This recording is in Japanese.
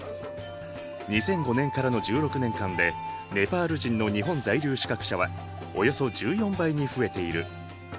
２００５年からの１６年間でネパール人の日本在留資格者はおよそ１４倍に増えている。